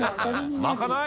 まかない？